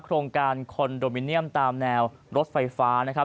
โครงการคอนโดมิเนียมตามแนวรถไฟฟ้านะครับ